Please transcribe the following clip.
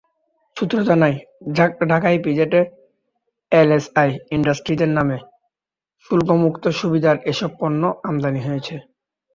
সূত্র জানায়, ঢাকা ইপিজেডে এলএসআই ইন্ডাস্ট্রিজের নামে শুল্কমুক্ত সুবিধায় এসব পণ্য আমদানি হয়েছে।